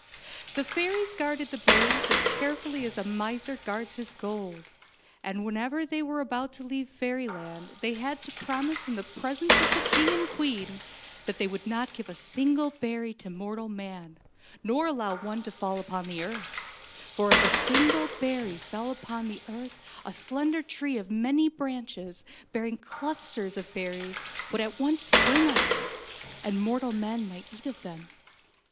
The fairies guarded the berries as carefully as a miser guards his gold, and whenever they were about to leave fairyland they had to promise in the presence of the king and queen that they would not give a single berry to mortal man, nor allow one to fall upon the earth ; for if a single berry fell upon the earth a slender tree of many branches, bearing clusters of berries, would at once spring up, and mortal men might eat of them.